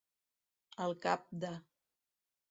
Al cap de.